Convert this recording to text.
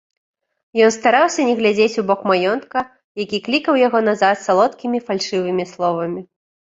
Ён стараўся не глядзець у бок маёнтка, які клікаў яго назад салодкімі фальшывымі словамі.